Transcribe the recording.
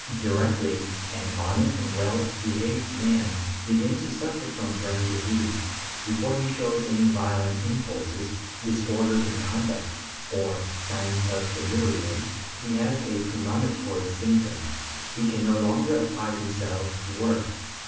Directly an honest and well behaved man begins to suffer from brain disease, before he shows any violent impulses, disorder in conduct, or signs of delirium, he has a premonitory symptom: he can no longer apply himself to work.